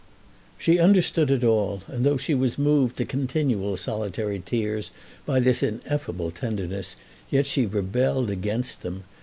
She understood it all, and though she was moved to continual solitary tears by this ineffable tenderness, yet she rebelled against them.